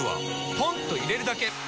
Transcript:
ポンと入れるだけ！